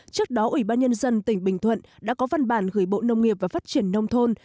trước đó ủy ban nhân dân tỉnh bình thuận đã có văn bản gửi bộ nông nghiệp và phát triển nông thôn